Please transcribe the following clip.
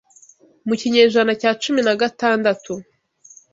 Mu kinyejana cya cumi nagatandatu